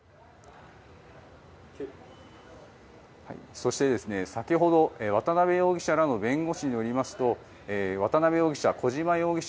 そして、先ほど渡邉容疑者らの弁護士によりますと渡邉容疑者、小島容疑者